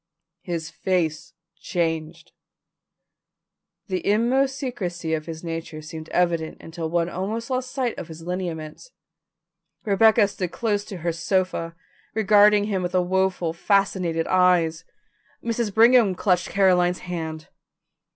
His face changed. The inmost secrecy of his nature seemed evident until one almost lost sight of his lineaments. Rebecca stood close to her sofa, regarding him with woeful, fascinated eyes. Mrs. Brigham clutched Caroline's hand.